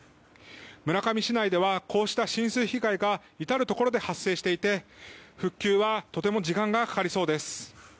村上市内ではこうした浸水被害が至るところで発生していて復旧にはとても時間がかかりそうです。